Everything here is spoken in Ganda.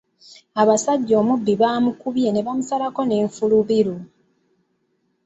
Abasajja omubbi baamukubye ne bamusalako n'enfulubiru.